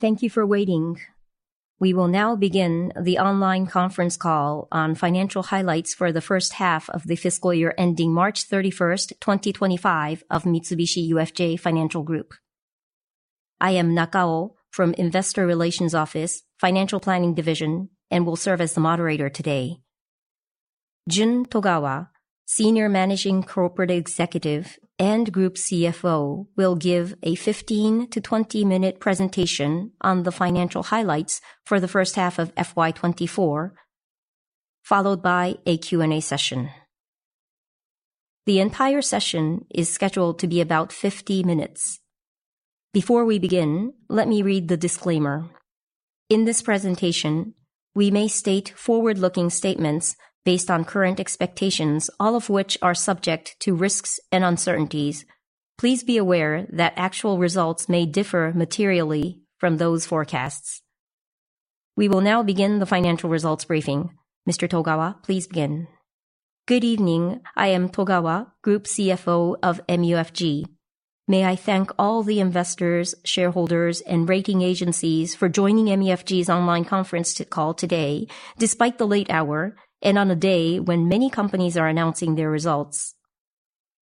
Thank you for waiting. We will now begin the online conference call on financial highlights for the first half of the fiscal year ending March 31st, 2025, of Mitsubishi UFJ Financial Group. I am Nakao from Investor Relations Office, Financial Planning Division, and will serve as the moderator today. Jun Togawa, Senior Managing Corporate Executive and Group CFO, will give a 15-20-minute presentation on the financial highlights for the first half of FY2024, followed by a Q&A session. The entire session is scheduled to be about 50 minutes. Before we begin, let me read the disclaimer. In this presentation, we may state forward-looking statements based on current expectations, all of which are subject to risks and uncertainties. Please be aware that actual results may differ materially from those forecasts. We will now begin the financial results briefing. Mr. Togawa, please begin. Good evening. I am Togawa, Group CFO of MUFG. May I thank all the investors, shareholders, and rating agencies for joining MUFG's online conference call today, despite the late hour and on a day when many companies are announcing their results.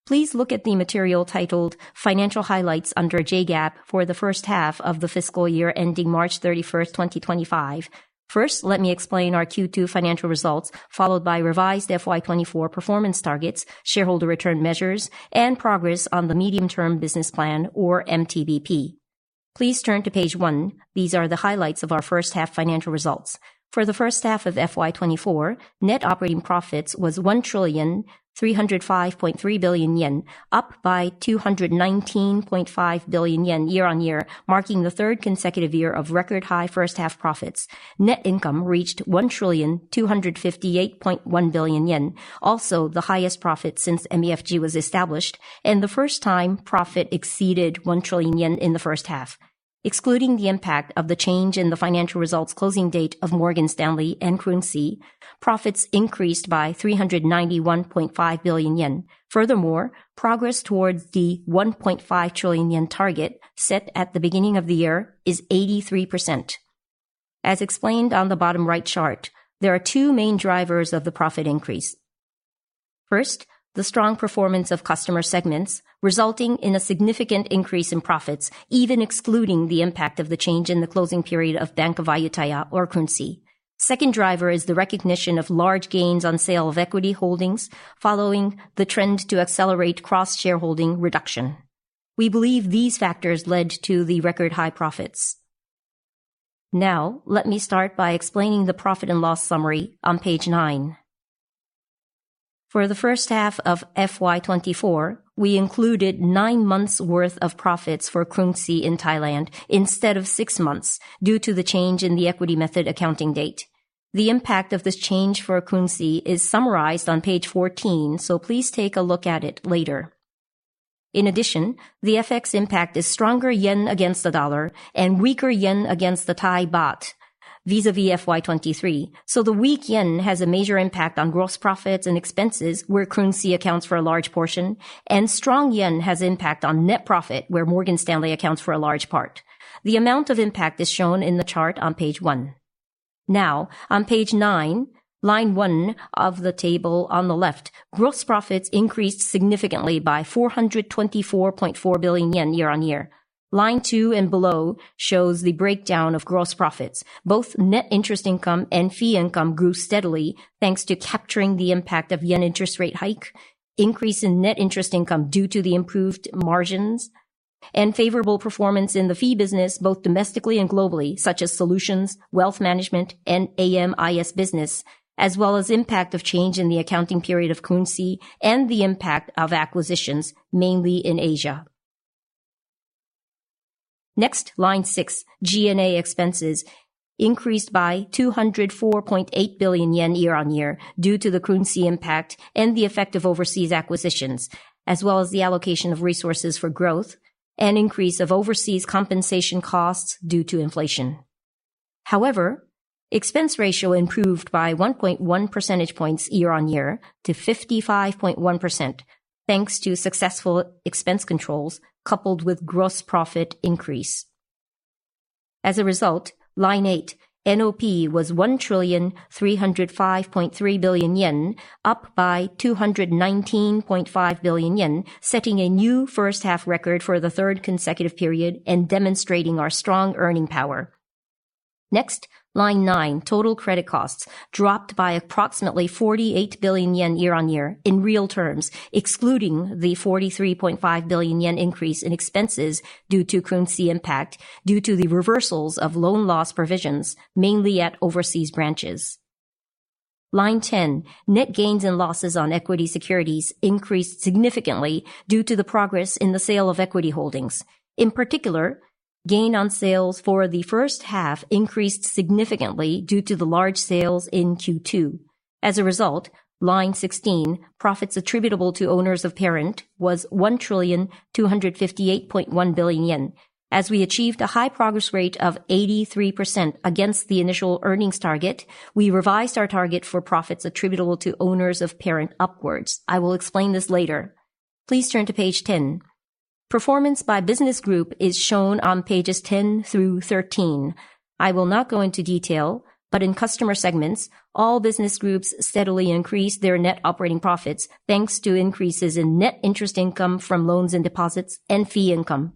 Please look at the material titled "Financial Highlights Under JGAP for the First Half of the Fiscal Year Ending March 31st, 2025." First, let me explain our Q2 financial results, followed by revised FY 2024 performance targets, shareholder return measures, and progress on the Medium-Term Business Plan, or MTBP. Please turn to page one. These are the highlights of our first half financial results. For the first half of FY 2024, net operating profits was 1,305.3 billion yen, up by 219.5 billion yen year-on-year, marking the third consecutive year of record-high first-half profits. Net income reached 1,258.1 billion yen, also the highest profit since MUFG was established and the first time profit exceeded 1 trillion yen in the first half. Excluding the impact of the change in the financial results closing date of Morgan Stanley and Krungsri, profits increased by 391.5 billion yen. Furthermore, progress towards the 1.5 trillion yen target set at the beginning of the year is 83%. As explained on the bottom right chart, there are two main drivers of the profit increase. First, the strong performance of customer segments, resulting in a significant increase in profits, even excluding the impact of the change in the closing period of Bank of Ayudhya or Krungsri. Second driver is the recognition of large gains on sale of equity holdings, following the trend to accelerate cross-shareholding reduction. We believe these factors led to the record-high profits. Now, let me start by explaining the profit and loss summary on page nine. For the first half of FY 2024, we included nine months' worth of profits for Krungsri in Thailand instead of six months, due to the change in the equity method accounting date. The impact of this change for Krungsri is summarized on page 14, so please take a look at it later. In addition, the FX impact is stronger yen against the dollar and weaker yen against the Thai baht vis-à-vis FY 2023, so the weak yen has a major impact on gross profits and expenses, where Krungsri accounts for a large portion, and strong yen has an impact on net profit, where Morgan Stanley accounts for a large part. The amount of impact is shown in the chart on page one. Now, on page nine, line one of the table on the left, gross profits increased significantly by 424.4 billion yen year-on-year. Line two and below shows the breakdown of gross profits. Both net interest income and fee income grew steadily, thanks to capturing the impact of yen interest rate hike, increase in net interest income due to the improved margins, and favorable performance in the fee business both domestically and globally, such as solutions, wealth management, and AM/IS business, as well as impact of change in the accounting period of Krungsri and the impact of acquisitions, mainly in Asia. Next, line six, G&A expenses increased by 204.8 billion yen year-on-year due to the Krungsri impact and the effect of overseas acquisitions, as well as the allocation of resources for growth and increase of overseas compensation costs due to inflation. However, expense ratio improved by 1.1 percentage points year-on-year to 55.1%, thanks to successful expense controls coupled with gross profit increase. As a result, line eight, NOP was 1,305.3 billion yen, up by 219.5 billion yen, setting a new first-half record for the third consecutive period and demonstrating our strong earning power. Next, line nine, total credit costs dropped by approximately 48 billion yen year-on-year in real terms, excluding the 43.5 billion yen increase in expenses due to Krungsri impact due to the reversals of loan loss provisions, mainly at overseas branches. Line 10, net gains and losses on equity securities increased significantly due to the progress in the sale of equity holdings. In particular, gain on sales for the first half increased significantly due to the large sales in Q2. As a result, line 16, profits attributable to owners of parent, was 1,258.1 billion yen. As we achieved a high progress rate of 83% against the initial earnings target, we revised our target for profits attributable to owners of parent upwards. I will explain this later. Please turn to page 10. Performance by business group is shown on pages 10 through 13. I will not go into detail, but in customer segments, all business groups steadily increased their net operating profits, thanks to increases in net interest income from loans and deposits and fee income.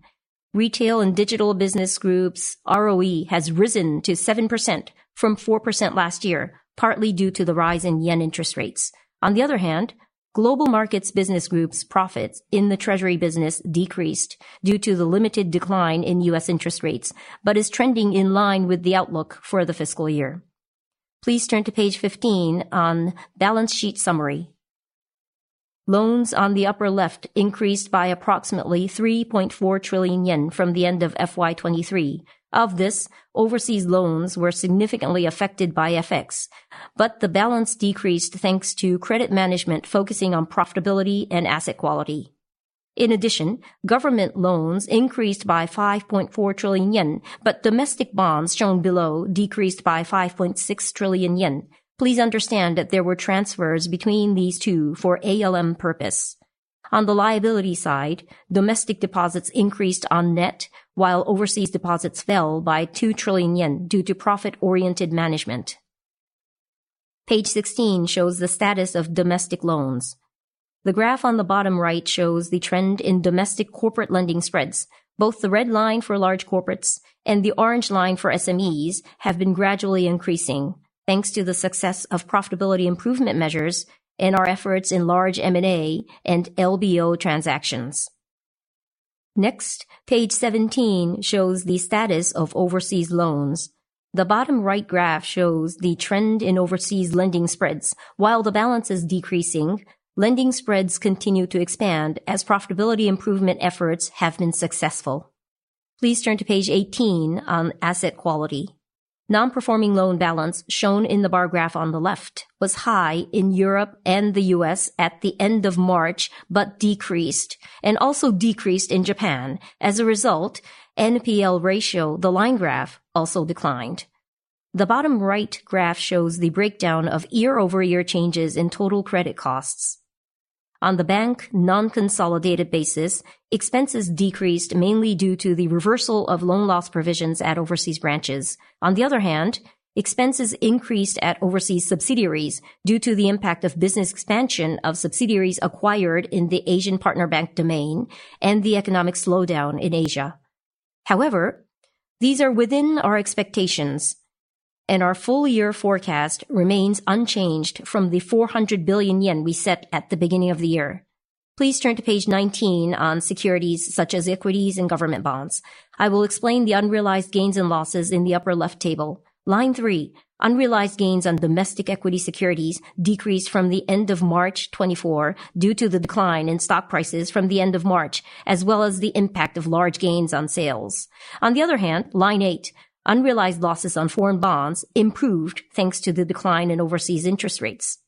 Retail and digital business groups' ROE has risen to 7% from 4% last year, partly due to the rise in yen interest rates. On the other hand, global markets business groups' profits in the treasury business decreased due to the limited decline in U.S. interest rates, but is trending in line with the outlook for the fiscal year. Please turn to page 15 on balance sheet summary. Loans on the upper left increased by approximately 3.4 trillion yen from the end of FY 2023. Of this, overseas loans were significantly affected by FX, but the balance decreased thanks to credit management focusing on profitability and asset quality. In addition, government loans increased by 5.4 trillion yen, but domestic bonds shown below decreased by 5.6 trillion yen. Please understand that there were transfers between these two for ALM purpose. On the liability side, domestic deposits increased on net, while overseas deposits fell by 2 trillion yen due to profit-oriented management. Page 16 shows the status of domestic loans. The graph on the bottom right shows the trend in domestic corporate lending spreads. Both the red line for large corporates and the orange line for SMEs have been gradually increasing, thanks to the success of profitability improvement measures and our efforts in large M&A and LBO transactions. Next, page 17 shows the status of overseas loans. The bottom right graph shows the trend in overseas lending spreads. While the balance is decreasing, lending spreads continue to expand as profitability improvement efforts have been successful. Please turn to page 18 on asset quality. Non-performing loan balance shown in the bar graph on the left was high in Europe and the U.S. at the end of March, but decreased, and also decreased in Japan. As a result, NPL ratio, the line graph, also declined. The bottom right graph shows the breakdown of year-over-year changes in total credit costs. On the bank non-consolidated basis, expenses decreased mainly due to the reversal of loan loss provisions at overseas branches. On the other hand, expenses increased at overseas subsidiaries due to the impact of business expansion of subsidiaries acquired in the Asian partner bank domain and the economic slowdown in Asia. However, these are within our expectations, and our full-year forecast remains unchanged from the 400 billion yen we set at the beginning of the year. Please turn to page 19 on securities such as equities and government bonds. I will explain the unrealized gains and losses in the upper left table. Line three, unrealized gains on domestic equity securities decreased from the end of March 2024 due to the decline in stock prices from the end of March, as well as the impact of large gains on sales. On the other hand, line eight, unrealized losses on foreign bonds improved thanks to the decline in overseas interest rates.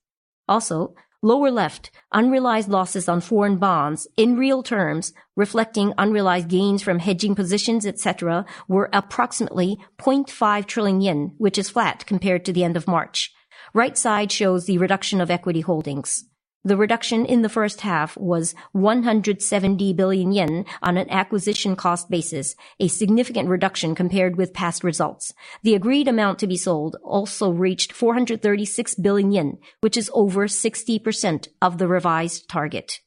Also, lower left, unrealized losses on foreign bonds in real terms, reflecting unrealized gains from hedging positions, etc., were approximately 0.5 trillion yen, which is flat compared to the end of March. Right side shows the reduction of equity holdings. The reduction in the first half was 170 billion yen on an acquisition cost basis, a significant reduction compared with past results. The agreed amount to be sold also reached 436 billion yen, which is over 60% of the revised target.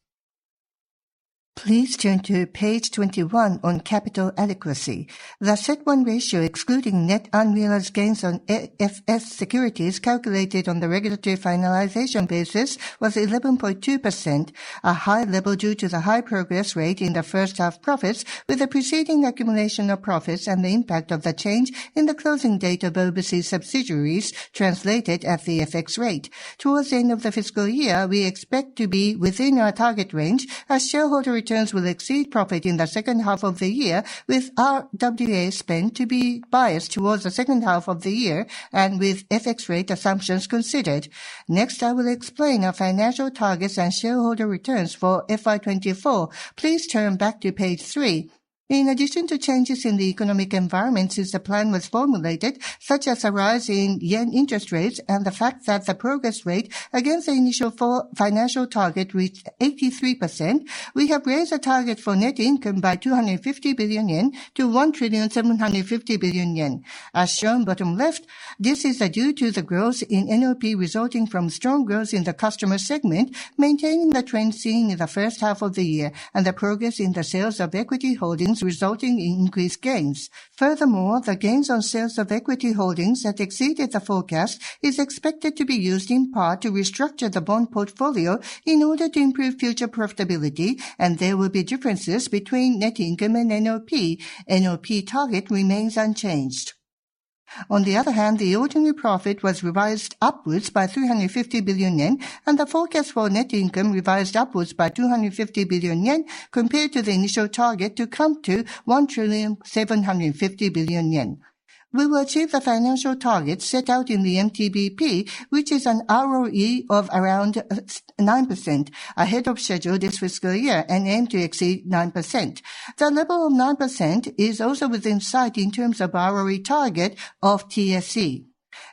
Please turn to page 21 on capital adequacy. The CET1 ratio, excluding net unrealized gains on AFS securities calculated on the regulatory finalization basis, was 11.2%, a high level due to the high progress rate in the first half profits, with the preceding accumulation of profits and the impact of the change in the closing date of overseas subsidiaries translated at the FX rate. Towards the end of the fiscal year, we expect to be within our target range as shareholder returns will exceed profit in the second half of the year, with RWA spend to be biased towards the second half of the year and with FX rate assumptions considered. Next, I will explain our financial targets and shareholder returns for FY 2024. Please turn back to page three. In addition to changes in the economic environment since the plan was formulated, such as a rise in yen interest rates and the fact that the progress rate against the initial financial target reached 83%, we have raised the target for net income by JP Y250 billion-JPY 1,750 billion. As shown bottom left, this is due to the growth in NOP resulting from strong growth in the customer segment, maintaining the trend seen in the first half of the year and the progress in the sales of equity holdings resulting in increased gains. Furthermore, the gains on sales of equity holdings that exceeded the forecast is expected to be used in part to restructure the bond portfolio in order to improve future profitability, and there will be differences between net income and NOP. NOP target remains unchanged. On the other hand, the ordinary profit was revised upwards by 350 billion yen, and the forecast for net income revised upwards by 250 billion yen compared to the initial target to come to 1,750 billion yen. We will achieve the financial targets set out in the MTBP, which is an ROE of around 9% ahead of schedule this fiscal year and aim to exceed 9%. The level of 9% is also within sight in terms of ROE target of TSE.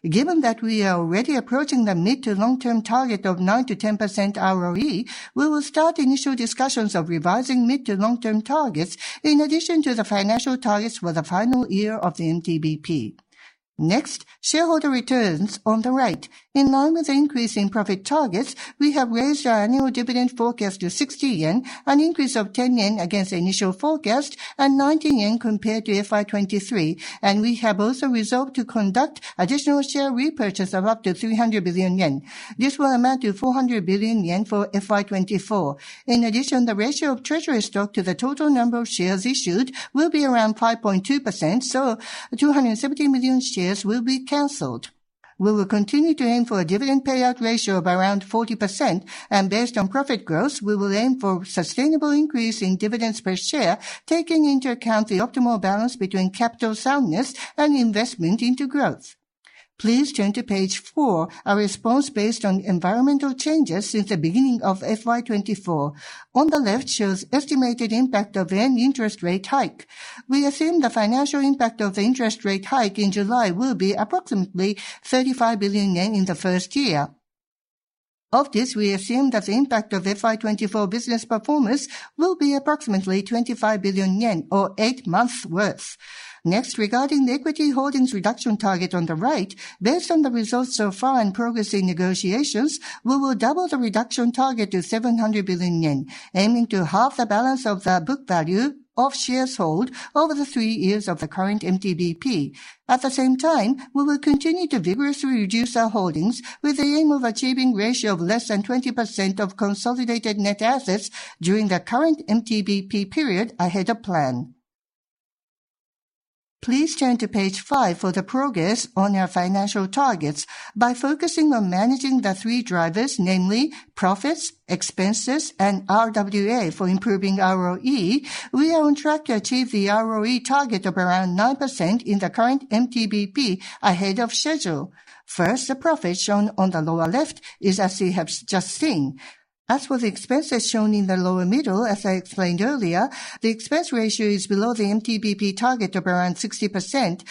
Given that we are already approaching the mid- to long-term target of 9%-10% ROE, we will start initial discussions of revising mid- to long-term targets in addition to the financial targets for the final year of the MTBP. Next, shareholder returns on the right. In line with the increase in profit targets, we have raised our annual dividend forecast to 60 yen, an increase of 10 yen against the initial forecast and 19 yen compared to FY 2023, and we have also resolved to conduct additional share repurchase of up to 300 billion yen. This will amount to 400 billion yen for FY 2024. In addition, the ratio of treasury stock to the total number of shares issued will be around 5.2%, so 270 million shares will be canceled. We will continue to aim for a dividend payout ratio of around 40%, and based on profit growth, we will aim for a sustainable increase in dividends per share, taking into account the optimal balance between capital soundness and investment into growth. Please turn to page four, our response based on environmental changes since the beginning of FY 2024. On the left shows the estimated impact of an interest rate hike. We assume the financial impact of the interest rate hike in July will be approximately 35 billion yen in the first year. Of this, we assume that the impact of FY24 business performance will be approximately 25 billion yen or eight months' worth. Next, regarding the equity holdings reduction target on the right, based on the results so far and progress in negotiations, we will double the reduction target to 700 billion yen, aiming to halve the balance of the book value of shares held over the three years of the current MTBP. At the same time, we will continue to vigorously reduce our holdings with the aim of achieving a ratio of less than 20% of consolidated net assets during the current MTBP period ahead of plan. Please turn to page five for the progress on our financial targets. By focusing on managing the three drivers, namely profits, expenses, and RWA for improving ROE, we are on track to achieve the ROE target of around 9% in the current MTBP ahead of schedule. First, the profit shown on the lower left is as we have just seen. As for the expenses shown in the lower middle, as I explained earlier, the expense ratio is below the MTBP target of around 60%,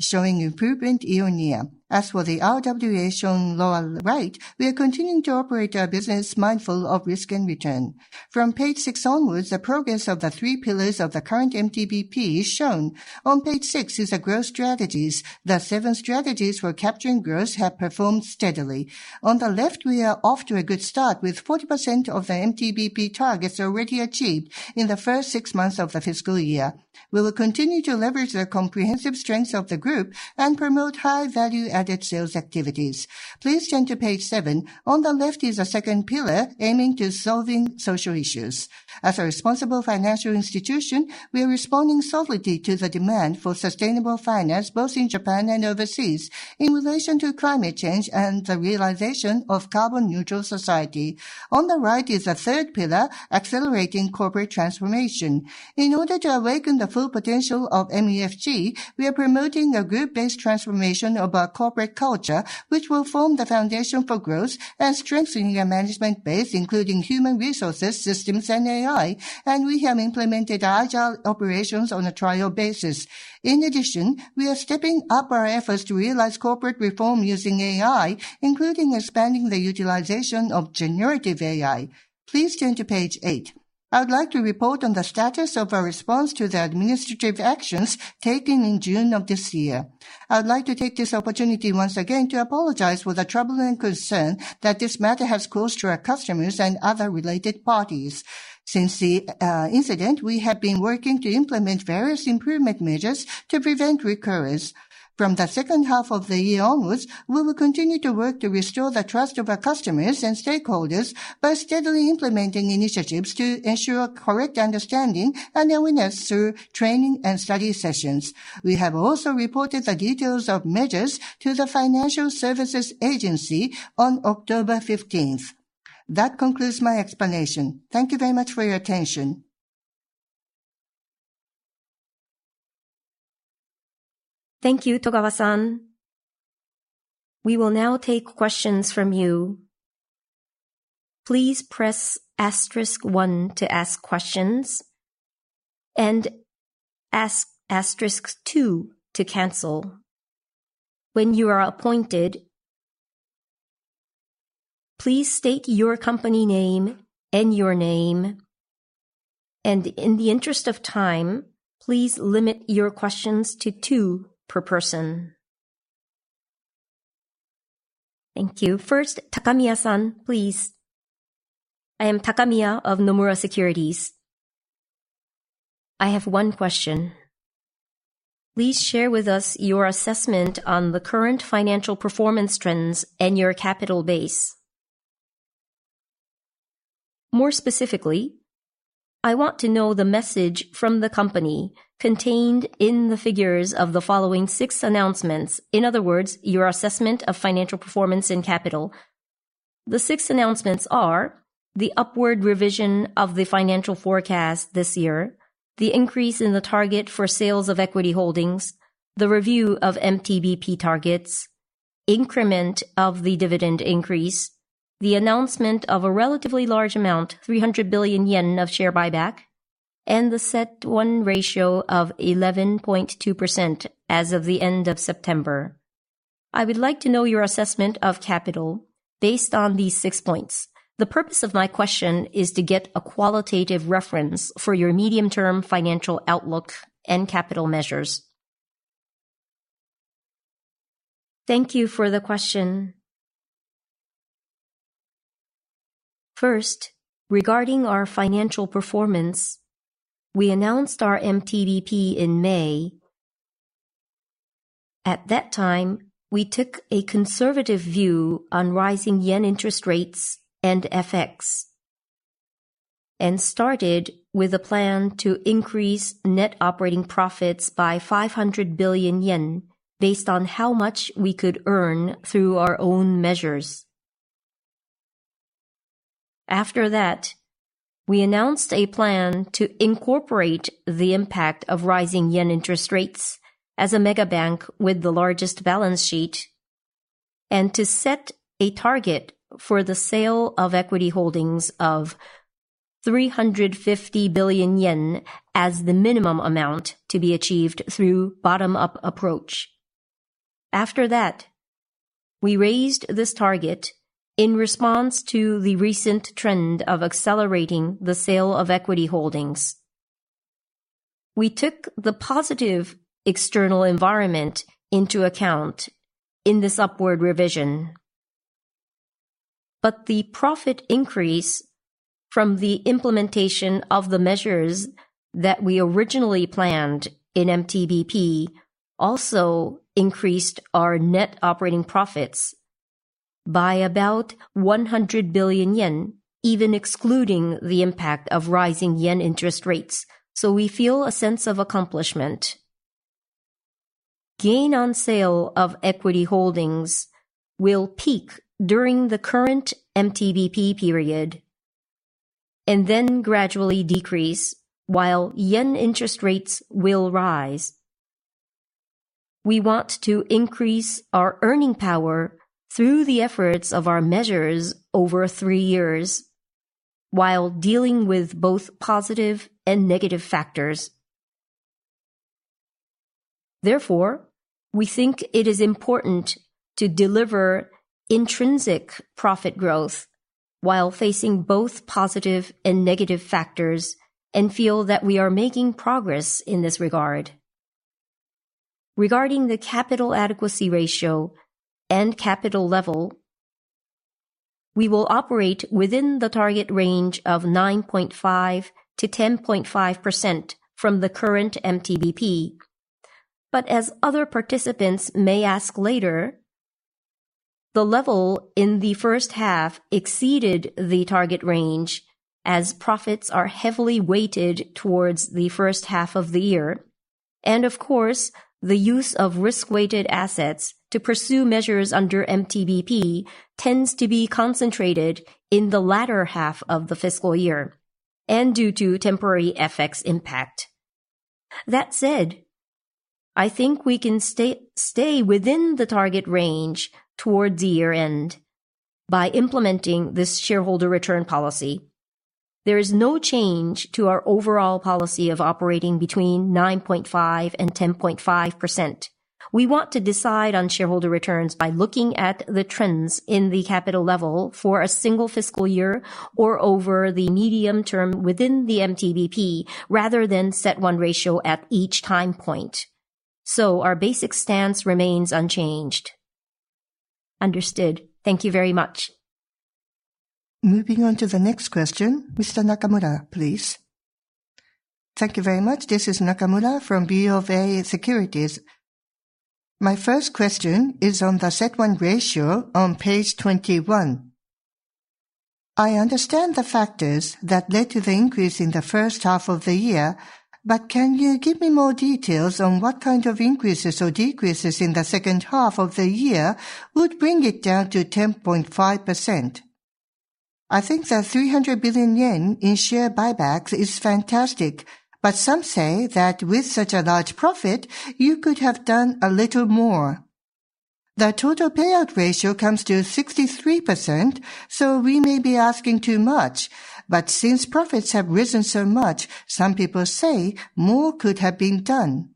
showing improvement year-on-year. As for the RWA shown lower right, we are continuing to operate our business mindful of risk and return. From page six onwards, the progress of the three pillars of the current MTBP is shown. On page six is the growth strategies. The seven strategies for capturing growth have performed steadily. On the left, we are off to a good start with 40% of the MTBP targets already achieved in the first six months of the fiscal year. We will continue to leverage the comprehensive strengths of the group and promote high-value-added sales activities. Please turn to page seven. On the left is the second pillar aiming to solve social issues. As a responsible financial institution, we are responding solidly to the demand for sustainable finance both in Japan and overseas in relation to climate change and the realization of a carbon-neutral society. On the right is the third pillar, accelerating corporate transformation. In order to awaken the full potential of MUFG, we are promoting a group-based transformation of our corporate culture, which will form the foundation for growth and strengthening our management base, including human resources, systems, and AI, and we have implemented agile operations on a trial basis. In addition, we are stepping up our efforts to realize corporate reform using AI, including expanding the utilization of generative AI. Please turn to page eight. I would like to report on the status of our response to the administrative actions taken in June of this year. I would like to take this opportunity once again to apologize for the troubling concern that this matter has caused to our customers and other related parties. Since the incident, we have been working to implement various improvement measures to prevent recurrence. From the second half of the year onwards, we will continue to work to restore the trust of our customers and stakeholders by steadily implementing initiatives to ensure correct understanding and awareness through training and study sessions. We have also reported the details of measures to the Financial Services Agency on October 15th. That concludes my explanation. Thank you very much for your attention. Thank you, Togawa-san. We will now take questions from you. Please press asterisk one to ask questions and asterisk two to cancel. When you are appointed, please state your company name and your name, and in the interest of time, please limit your questions to two per person. Thank you. First, Takamiya-san, please. I am Takamiya of Nomura Securities. I have one question. Please share with us your assessment on the current financial performance trends and your capital base. More specifically, I want to know the message from the company contained in the figures of the following six announcements. In other words, your assessment of financial performance and capital. The six announcements are the upward revision of the financial forecast this year, the increase in the target for sales of equity holdings, the review of MTBP targets, increment of the dividend increase, the announcement of a relatively large amount, 300 billion yen of share buyback, and the CET1 ratio of 11.2% as of the end of September. I would like to know your assessment of capital based on these six points. The purpose of my question is to get a qualitative reference for your medium-term financial outlook and capital measures. Thank you for the question. First, regarding our financial performance, we announced our MTBP in May. At that time, we took a conservative view on rising yen interest rates and FX and started with a plan to increase net operating profits by 500 billion yen based on how much we could earn through our own measures. After that, we announced a plan to incorporate the impact of rising yen interest rates as a mega bank with the largest balance sheet and to set a target for the sale of equity holdings of 350 billion yen as the minimum amount to be achieved through bottom-up approach. After that, we raised this target in response to the recent trend of accelerating the sale of equity holdings. We took the positive external environment into account in this upward revision, but the profit increase from the implementation of the measures that we originally planned in MTBP also increased our net operating profits by about 100 billion yen, even excluding the impact of rising yen interest rates. So we feel a sense of accomplishment. Gain on sale of equity holdings will peak during the current MTBP period and then gradually decrease while yen interest rates will rise. We want to increase our earning power through the efforts of our measures over three years while dealing with both positive and negative factors. Therefore, we think it is important to deliver intrinsic profit growth while facing both positive and negative factors and feel that we are making progress in this regard. Regarding the capital adequacy ratio and capital level, we will operate within the target range of 9.5%-10.5% from the current MTBP. But as other participants may ask later, the level in the first half exceeded the target range as profits are heavily weighted towards the first half of the year. And of course, the use of risk-weighted assets to pursue measures under MTBP tends to be concentrated in the latter half of the fiscal year and due to temporary FX impact. That said, I think we can stay within the target range towards the year-end by implementing this shareholder return policy. There is no change to our overall policy of operating between 9.5% and 10.5%. We want to decide on shareholder returns by looking at the trends in the capital level for a single fiscal year or over the medium term within the MTBP rather than CET1 ratio at each time point. So our basic stance remains unchanged. Understood. Thank you very much. Moving on to the next question, Mr. Nakamura, please. Thank you very much. This is Nakamura from BofA Securities. My first question is on the CET1 ratio on page 21. I understand the factors that led to the increase in the first half of the year, but can you give me more details on what kind of increases or decreases in the second half of the year would bring it down to 10.5%? I think the 300 billion yen in share buybacks is fantastic, but some say that with such a large profit, you could have done a little more. The total payout ratio comes to 63%, so we may be asking too much, but since profits have risen so much, some people say more could have been done.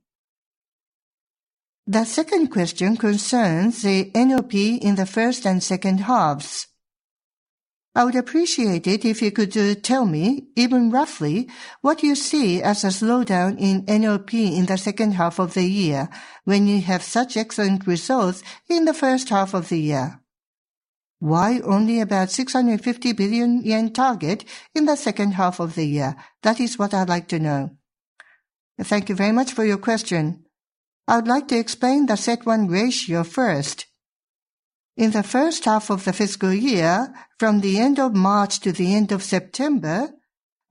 The second question concerns the NPL in the first and second halves. I would appreciate it if you could tell me, even roughly, what you see as a slowdown in NOP in the second half of the year when you have such excellent results in the first half of the year. Why only about 650 billion yen target in the second half of the year? That is what I'd like to know. Thank you very much for your question. I would like to explain the CET1 ratio first. In the first half of the fiscal year, from the end of March to the end of September,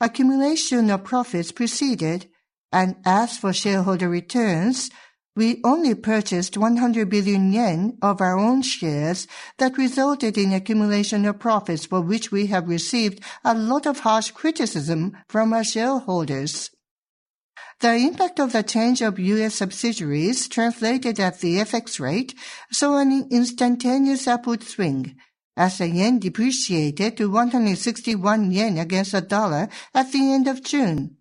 accumulation of profits preceded, and as for shareholder returns, we only purchased 100 billion yen of our own shares that resulted in accumulation of profits for which we have received a lot of harsh criticism from our shareholders. The impact of the change of US subsidiaries translated at the FX rate saw an instantaneous upward swing as the yen depreciated to 161 yen against the dollar at the end of June,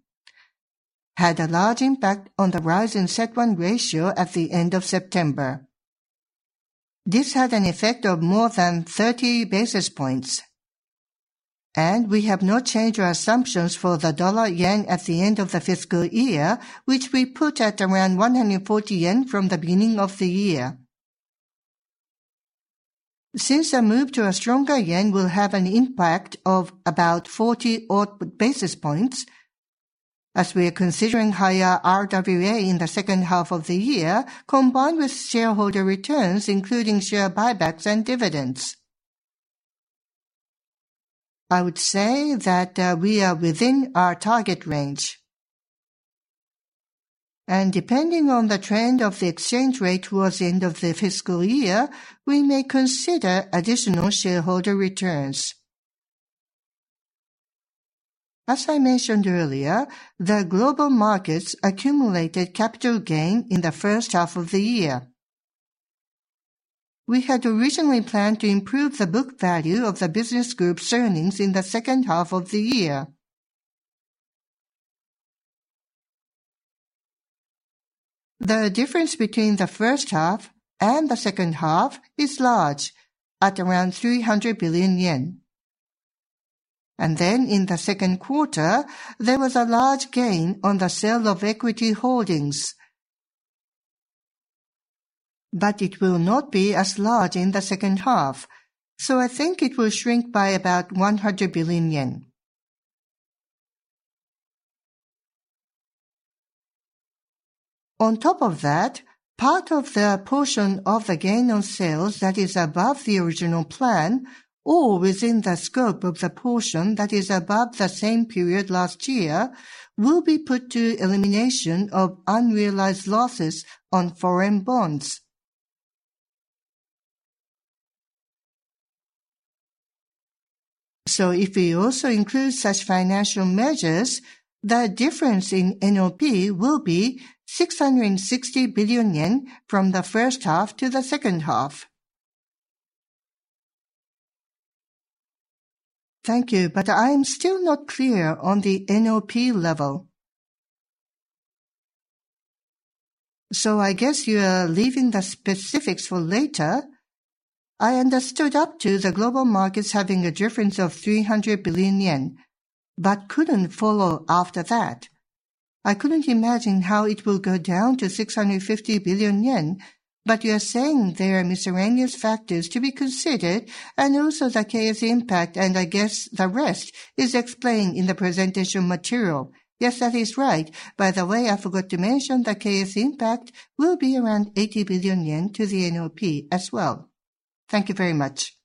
had a large impact on the rising CET1 ratio at the end of September. This had an effect of more than 30 basis points, and we have not changed our assumptions for the dollar-yen at the end of the fiscal year, which we put at around 140 yen from the beginning of the year. Since a move to a stronger yen will have an impact of about 40 basis points as we are considering higher RWA in the second half of the year combined with shareholder returns, including share buybacks and dividends. I would say that we are within our target range. And depending on the trend of the exchange rate towards the end of the fiscal year, we may consider additional shareholder returns. As I mentioned earlier, the global markets accumulated capital gain in the first half of the year. We had originally planned to improve the book value of the business group's earnings in the second half of the year. The difference between the first half and the second half is large, at around 300 billion yen. And then in the second quarter, there was a large gain on the sale of equity holdings, but it will not be as large in the second half, so I think it will shrink by about 100 billion yen. On top of that, part of the portion of the gain on sales that is above the original plan or within the scope of the portion that is above the same period last year will be put to elimination of unrealized losses on foreign bonds, so if we also include such financial measures, the difference in NPL will be 660 billion yen from the first half to the second half. Thank you, but I am still not clear on the NPL level, so I guess you are leaving the specifics for later. I understood up to the global markets having a difference of 300 billion yen, but couldn't follow after that. I couldn't imagine how it will go down to 650 billion yen, but you are saying there are miscellaneous factors to be considered, and also the Krungsri impact, and I guess the rest is explained in the presentation material. Yes, that is right. By the way, I forgot to mention the KS impact will be around 80 billion yen to the NPL as well. Thank you very much.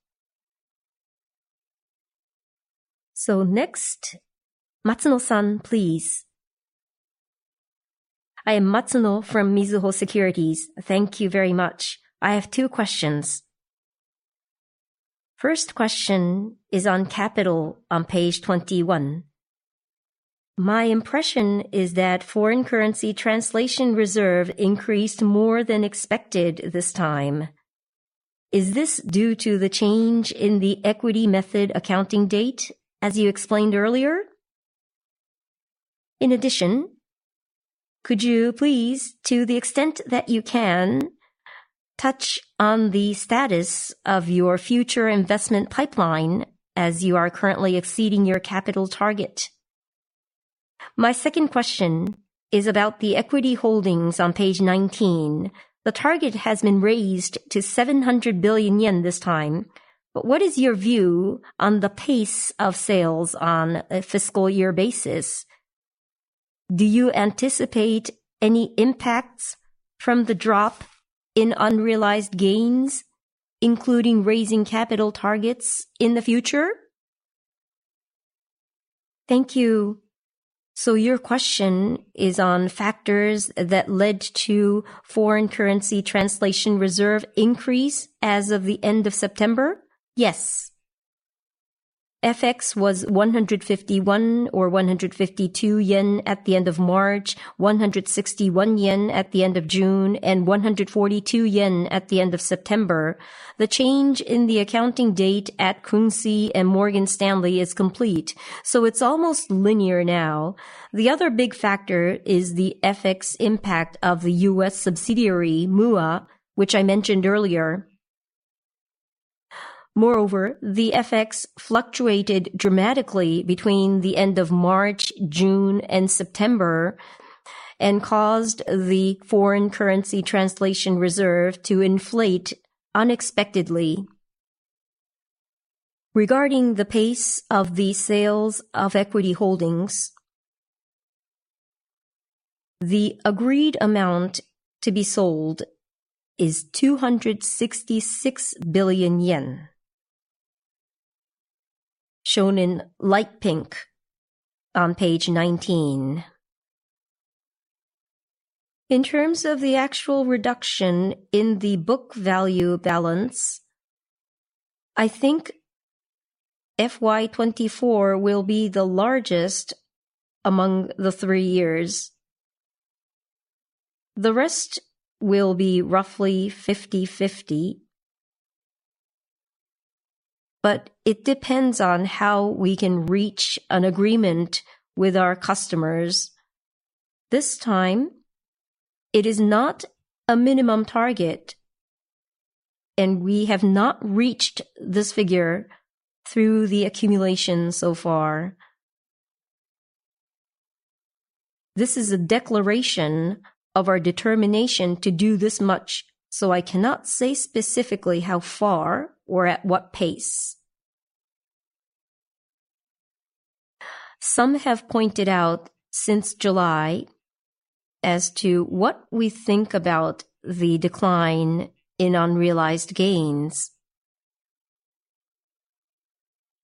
Next, Matsuno-san, please. I am Matsuno from Mizuho Securities. Thank you very much. I have two questions. First question is on capital on page 21. My impression is that foreign currency translation reserve increased more than expected this time. Is this due to the change in the equity method accounting date, as you explained earlier? In addition, could you please, to the extent that you can, touch on the status of your future investment pipeline as you are currently exceeding your capital target? My second question is about the equity holdings on page 19. The target has been raised to 700 billion yen this time, but what is your view on the pace of sales on a fiscal year basis? Do you anticipate any impacts from the drop in unrealized gains, including raising capital targets in the future? Thank you. So your question is on factors that led to foreign currency translation reserve increase as of the end of September? Yes. FX was 151 or 152 yen at the end of March, 161 yen at the end of June, and 142 yen at the end of September. The change in the accounting date at Krungsri and Morgan Stanley is complete, so it's almost linear now. The other big factor is the FX impact of the U.S. subsidiary, MUA, which I mentioned earlier. Moreover, the FX fluctuated dramatically between the end of March, June, and September and caused the foreign currency translation reserve to inflate unexpectedly. Regarding the pace of the sales of equity holdings, the agreed amount to be sold is 266 billion yen, shown in light pink on page 19. In terms of the actual reduction in the book value balance, I think FY 2024 will be the largest among the three years. The rest will be roughly 50-50, but it depends on how we can reach an agreement with our customers. This time, it is not a minimum target, and we have not reached this figure through the accumulation so far. This is a declaration of our determination to do this much, so I cannot say specifically how far or at what pace. Some have pointed out since July as to what we think about the decline in unrealized gains.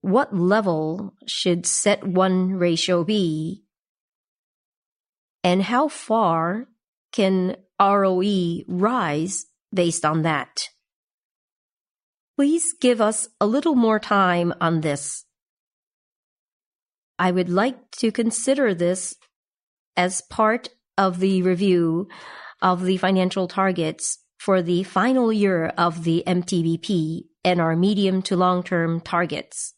What level should CET1 ratio be, and how far can ROE rise based on that? Please give us a little more time on this. I would like to consider this as part of the review of the financial targets for the final year of the MTBP and our medium to long-term targets.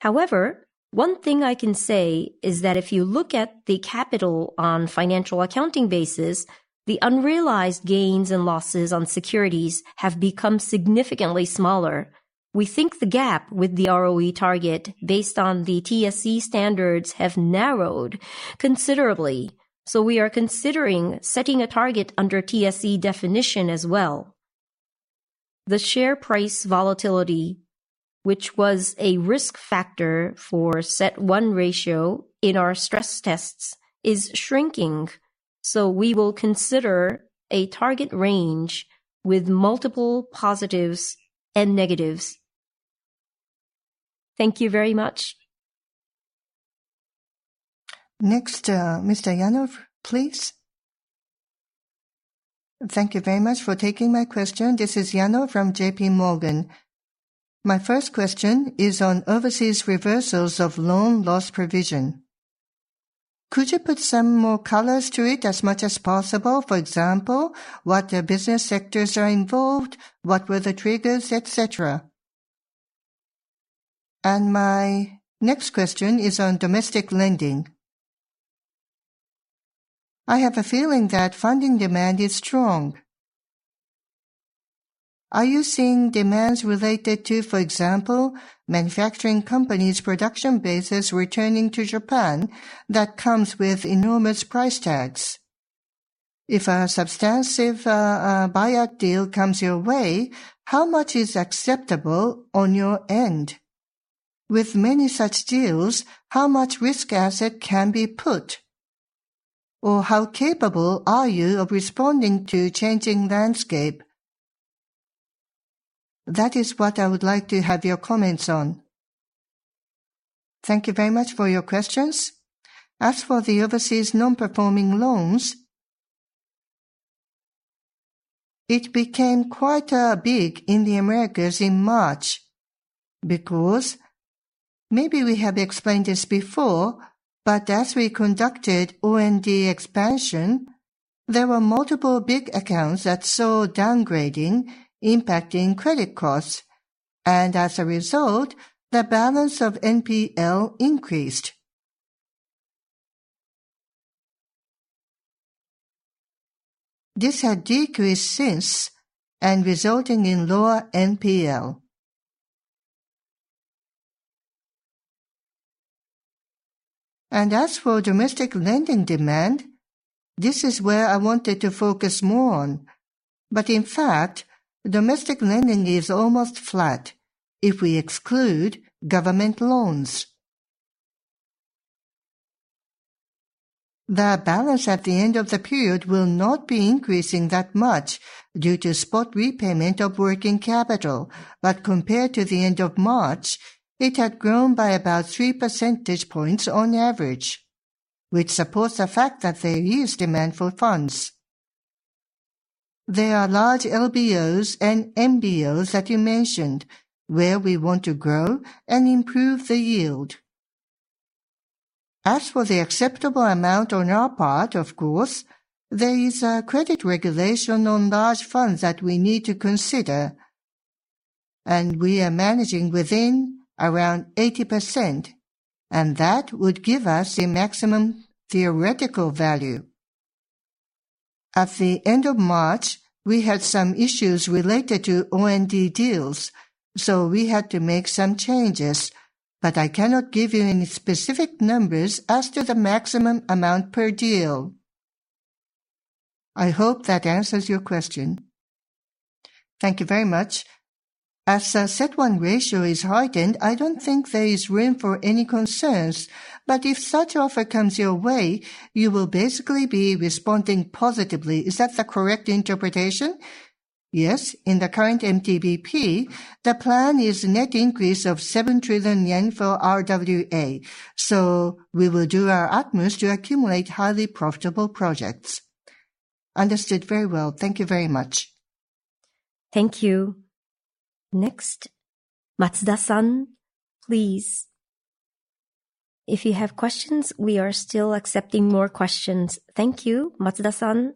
However, one thing I can say is that if you look at the capital on financial accounting basis, the unrealized gains and losses on securities have become significantly smaller. We think the gap with the ROE target based on the TSE standards has narrowed considerably, so we are considering setting a target under TSE definition as well. The share price volatility, which was a risk factor for CET1 ratio in our stress tests, is shrinking, so we will consider a target range with multiple positives and negatives. Thank you very much. Next, Mr. Yano, please. Thank you very much for taking my question. This is Yano from JPMorgan. My first question is on overseas reversals of loan loss provision. Could you put some more color to it as much as possible? For example, what business sectors are involved, what were the triggers, etc.? And my next question is on domestic lending. I have a feeling that funding demand is strong. Are you seeing demands related to, for example, manufacturing companies' production bases returning to Japan that comes with enormous price tags? If a substantive buyout deal comes your way, how much is acceptable on your end? With many such deals, how much risk asset can be put? Or how capable are you of responding to a changing landscape? That is what I would like to have your comments on. Thank you very much for your questions. As for the overseas non-performing loans, it became quite big in the Americas in March because maybe we have explained this before, but as we conducted O&D expansion, there were multiple big accounts that saw downgrading impacting credit costs, and as a result, the balance of NPL increased. This had decreased since and resulted in lower NPL. And as for domestic lending demand, this is where I wanted to focus more on, but in fact, domestic lending is almost flat if we exclude government loans. The balance at the end of the period will not be increasing that much due to spot repayment of working capital, but compared to the end of March, it had grown by about three percentage points on average, which supports the fact that there is demand for funds. There are large LBOs and MBOs that you mentioned where we want to grow and improve the yield. As for the acceptable amount on our part, of course, there is a credit regulation on large funds that we need to consider, and we are managing within around 80%, and that would give us a maximum theoretical value. At the end of March, we had some issues related to O&D deals, so we had to make some changes, but I cannot give you any specific numbers as to the maximum amount per deal. I hope that answers your question. Thank you very much. As the CET1 ratio is heightened, I don't think there is room for any concerns, but if such offer comes your way, you will basically be responding positively. Is that the correct interpretation? Yes, in the current MTBP, the plan is a net increase of 7 trillion yen for RWA, so we will do our utmost to accumulate highly profitable projects. Understood very well. Thank you very much. Thank you. Next, Matsuda-san, please. If you have questions, we are still accepting more questions. Thank you, Matsuda-san.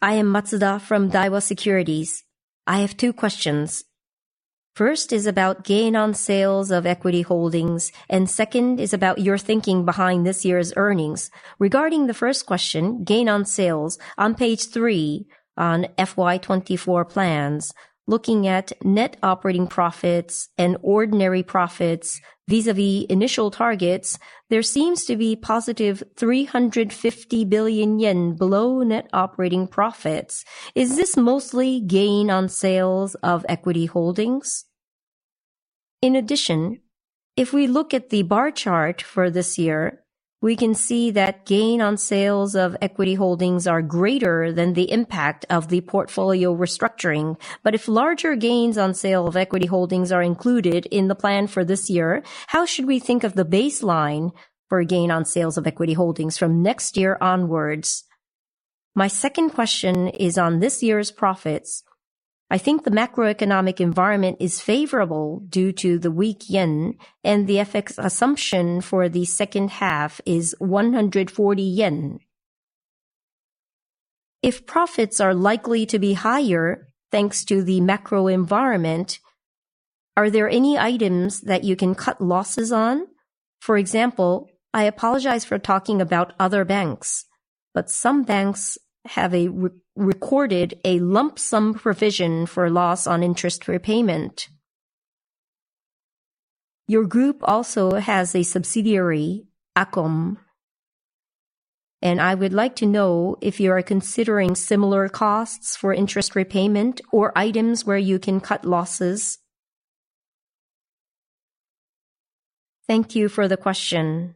I am Matsuda from Daiwa Securities. I have two questions. First is about gain on sales of equity holdings, and second is about your thinking behind this year's earnings. Regarding the first question, gain on sales, on page three on FY 2024 plans, looking at net operating profits and ordinary profits vis-à-vis initial targets, there seems to be positive 350 billion yen below net operating profits. Is this mostly gain on sales of equity holdings? In addition, if we look at the bar chart for this year, we can see that gain on sales of equity holdings are greater than the impact of the portfolio restructuring. But if larger gains on sale of equity holdings are included in the plan for this year, how should we think of the baseline for gain on sales of equity holdings from next year onwards? My second question is on this year's profits. I think the macroeconomic environment is favorable due to the weak yen, and the FX assumption for the second half is 140 yen. If profits are likely to be higher thanks to the macro environment, are there any items that you can cut losses on? For example, I apologize for talking about other banks, but some banks have recorded a lump sum provision for loss on interest repayment. Your group also has a subsidiary, Acom, and I would like to know if you are considering similar costs for interest repayment or items where you can cut losses. Thank you for the question.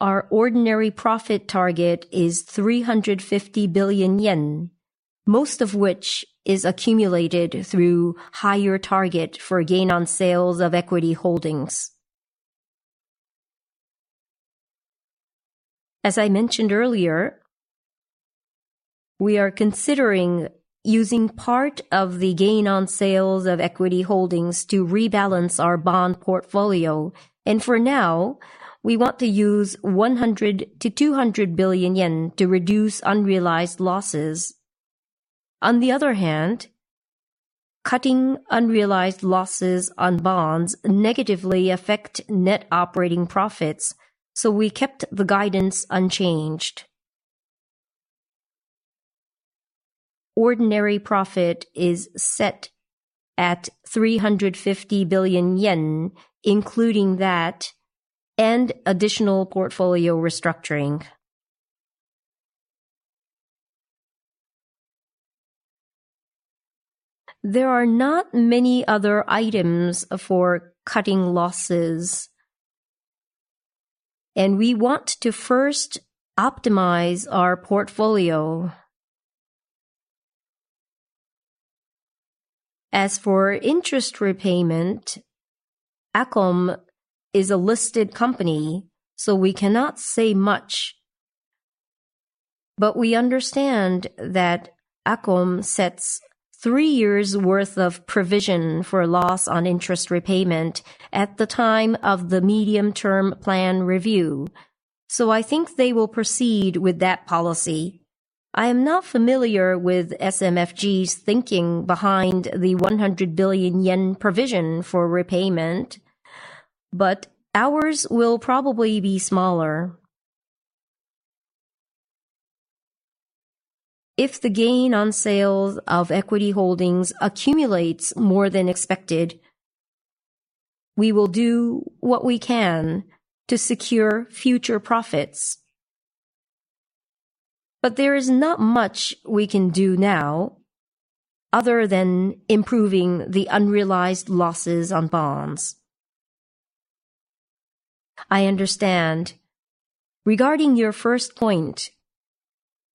Our ordinary profit target is 350 billion yen, most of which is accumulated through higher target for gain on sales of equity holdings. As I mentioned earlier, we are considering using part of the gain on sales of equity holdings to rebalance our bond portfolio, and for now, we want to use 100-200 billion yen to reduce unrealized losses. On the other hand, cutting unrealized losses on bonds negatively affects net operating profits, so we kept the guidance unchanged. Ordinary profit is set at 350 billion yen, including that and additional portfolio restructuring. There are not many other items for cutting losses, and we want to first optimize our portfolio. As for interest repayment, Acom is a listed company, so we cannot say much, but we understand that Acom sets three years' worth of provision for loss on interest repayment at the time of the medium-term plan review, so I think they will proceed with that policy. I am not familiar with SMFG's thinking behind the 100 billion yen provision for repayment, but ours will probably be smaller. If the gain on sales of equity holdings accumulates more than expected, we will do what we can to secure future profits, but there is not much we can do now other than improving the unrealized losses on bonds. I understand. Regarding your first point,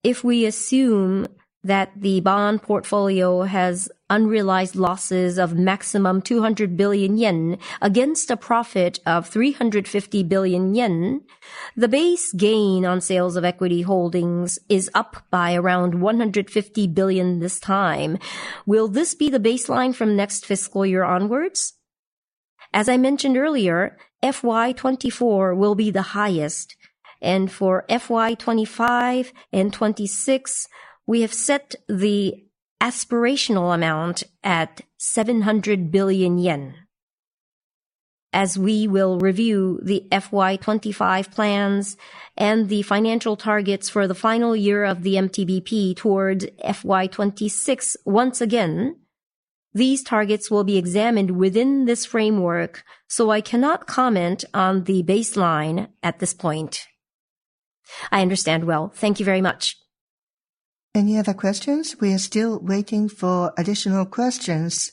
if we assume that the bond portfolio has unrealized losses of maximum 200 billion yen against a profit of 350 billion yen, the base gain on sales of equity holdings is up by around 150 billion this time. Will this be the baseline from next fiscal year onwards? As I mentioned earlier, FY 2024 will be the highest, and for FY 2025 and FY 2026, we have set the aspirational amount at 700 billion yen. As we will review the FY 2025 plans and the financial targets for the final year of the MTBP toward FY 2026 once again, these targets will be examined within this framework, so I cannot comment on the baseline at this point. I understand well. Thank you very much. Any other questions? We are still waiting for additional questions.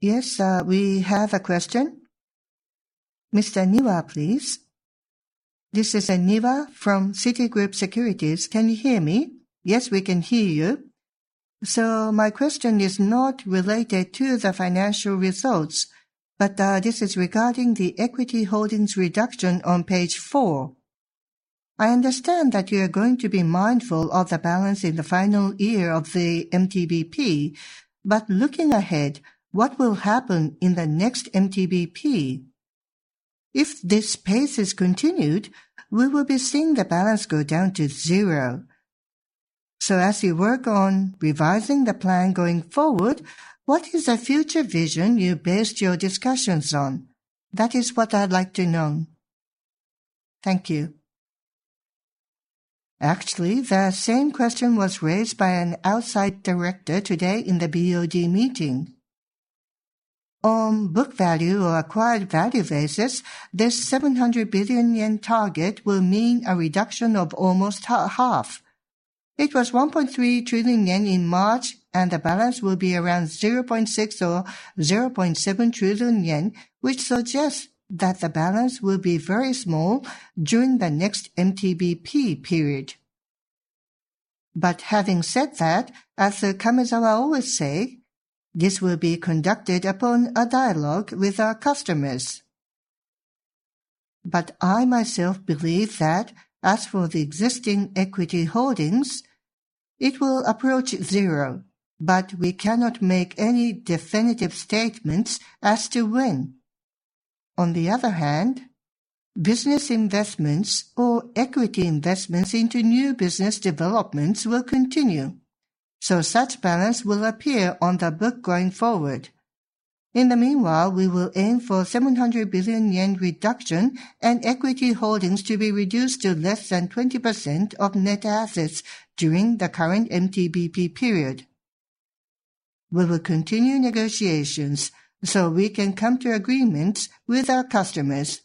Yes, we have a question. Mr. Niwa, please. This is Niwa from Citigroup Global Markets Japan. Can you hear me? Yes, we can hear you. So my question is not related to the financial results, but this is regarding the equity holdings reduction on page four. I understand that you are going to be mindful of the balance in the final year of the MTBP, but looking ahead, what will happen in the next MTBP? If this pace is continued, we will be seeing the balance go down to zero. So as you work on revising the plan going forward, what is the future vision you based your discussions on? That is what I'd like to know. Thank you. Actually, the same question was raised by an outside director today in the BOD meeting. On book value or acquired value basis, this 700 billion yen target will mean a reduction of almost half. It was 1.3 trillion yen in March, and the balance will be around 0.6 or 0.7 trillion yen, which suggests that the balance will be very small during the next MTBP period, but having said that, as the Kamezawa always say, this will be conducted upon a dialogue with our customers, but I myself believe that, as for the existing equity holdings, it will approach zero, but we cannot make any definitive statements as to when. On the other hand, business investments or equity investments into new business developments will continue, so such balance will appear on the book going forward. In the meanwhile, we will aim for 700 billion yen reduction and equity holdings to be reduced to less than 20% of net assets during the current MTBP period. We will continue negotiations so we can come to agreements with our customers.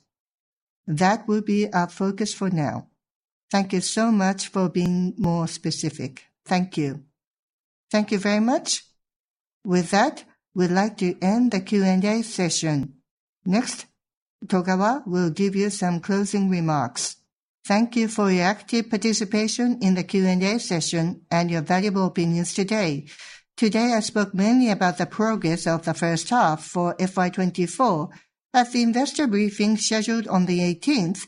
That will be our focus for now. Thank you so much for being more specific. Thank you. Thank you very much. With that, we'd like to end the Q&A session. Next, Togawa will give you some closing remarks. Thank you for your active participation in the Q&A session and your valuable opinions today. Today, I spoke mainly about the progress of the first half for FY 2024. At the investor briefing scheduled on the 18th,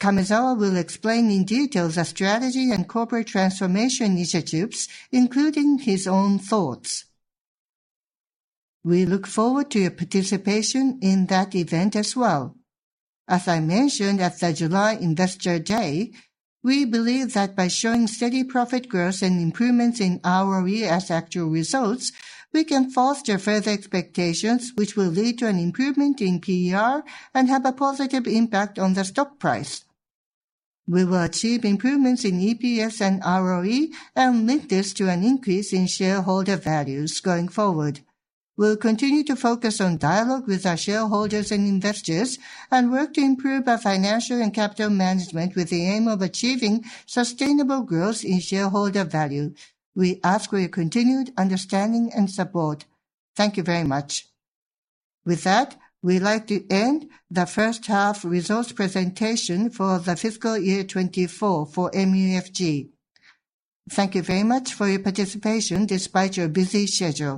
Kamezawa will explain in detail the strategy and corporate transformation initiatives, including his own thoughts. We look forward to your participation in that event as well. As I mentioned at the July Investor Day, we believe that by showing steady profit growth and improvements in ROE as actual results, we can foster further expectations, which will lead to an improvement in PER and have a positive impact on the stock price. We will achieve improvements in EPS and ROE and link this to an increase in shareholder values going forward. We'll continue to focus on dialogue with our shareholders and investors and work to improve our financial and capital management with the aim of achieving sustainable growth in shareholder value. We ask for your continued understanding and support. Thank you very much. With that, we'd like to end the first half results presentation for the fiscal year 2024 for MUFG. Thank you very much for your participation despite your busy schedule.